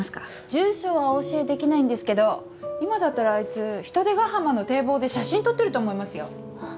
住所はお教えできないんですけど今だったらあいつ海星ヶ浜の堤防で写真撮ってると思いますよ。